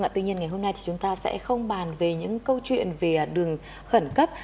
tuy nhiên ngày hôm nay thì chúng ta sẽ không bàn về những câu chuyện về đường khẩn cấp